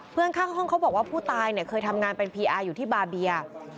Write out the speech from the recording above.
ข้างห้องเขาบอกว่าผู้ตายเนี่ยเคยทำงานเป็นพีอาร์อยู่ที่บาเบีย